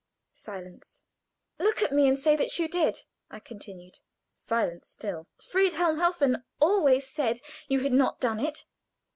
Silence! "Look at me and say that you did," I continued. Silence still. "Friedhelm Helfen always said you had not done it.